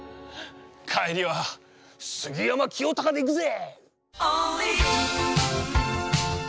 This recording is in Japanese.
帰りは杉山清貴で行くぜ！